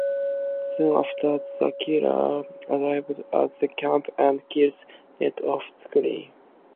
Soon after, the killer arrives at the camp and kills Ned off-screen.